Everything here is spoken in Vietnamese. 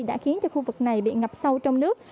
đã khiến cho khu vực này bị ngập sâu trong nước